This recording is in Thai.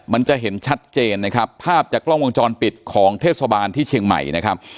มันจะเห็นชัดเจนนะครับภาพจากกล้องวงจรปิดของเทศบาลที่เชียงใหม่นะครับ